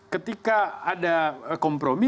ketika ada kompromi